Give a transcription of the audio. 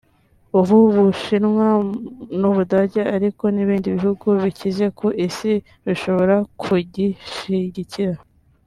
u Bushinwa n’u Budage ariko n’ibindi bihugu bikize ku Isi bishobora kugishyigikira